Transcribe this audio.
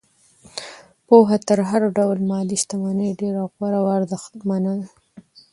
پوهه تر هر ډول مادي شتمنۍ ډېره غوره او ارزښتمنه ده.